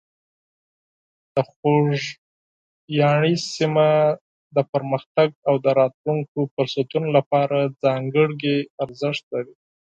د خوږیاڼي سیمه د پرمختګ او د راتلونکو فرصتونو لپاره ځانګړې ارزښت لري.